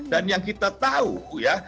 dan yang kita tahu ya